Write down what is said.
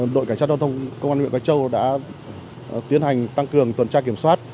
đội cảnh sát giao thông công an huyện bạch châu đã tiến hành tăng cường tuần tra kiểm soát